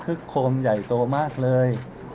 คุกโครมใหญ่โตมากเลย